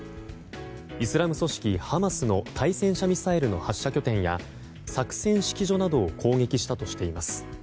イスラム組織ハマスの対戦車ミサイルの発射拠点や作戦指揮所などを攻撃したとしています。